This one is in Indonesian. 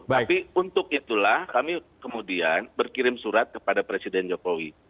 tapi untuk itulah kami kemudian berkirim surat kepada presiden jokowi